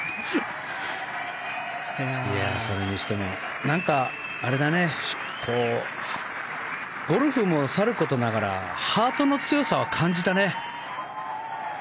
それにしてもゴルフもさることながらハートの強さを感じたね。